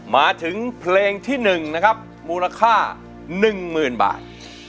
มาถึงเพลงที่๑นะครับมูลค่า๑๐๐๐บาท